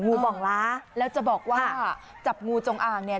บ่องล้าแล้วจะบอกว่าจับงูจงอ่างเนี่ย